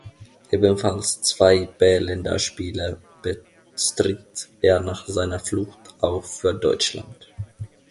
Ebenfalls zwei B-Länderspiele bestritt er nach seiner Flucht auch für Deutschland.